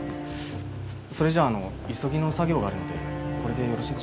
それじゃあ急ぎの作業があるのでこれでよろしいでしょうか？